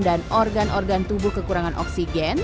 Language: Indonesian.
dan organ organ tubuh kekurangan oksigen